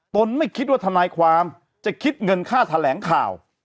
ไม่คิดว่าทนายความจะคิดเงินค่าแถลงข่าว